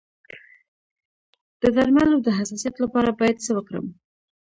د درملو د حساسیت لپاره باید څه وکړم؟